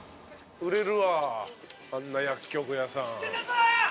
売れるわあんな薬局屋さん。